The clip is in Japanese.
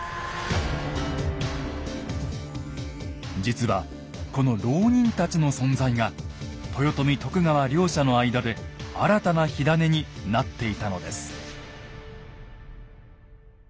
実はこの牢人たちの存在が豊臣・徳川両者の間で新たな火種になっていたのです。